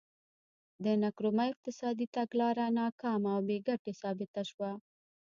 د نکرومه اقتصادي تګلاره ناکامه او بې ګټې ثابته شوه.